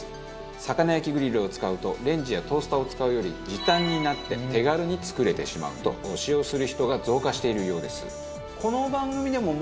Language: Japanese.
魚焼きグリルを使うとレンジやトースターを使うより時短になって手軽に作れてしまうと使用する人が増加しているようです。